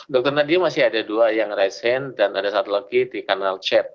dr nadiem masih ada dua yang raise hand dan ada satu lagi di kanal chat